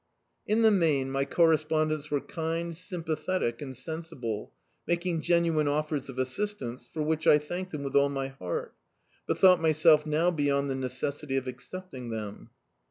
In the main my correspondents were kind, sym pathetic and sensible, making genuine offers of assistance, for which I thanked them with all my heart, but thought myself now beyond the neces sity of accepting them.